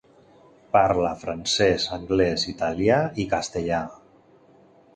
Parla francès, anglès, italià i castellà.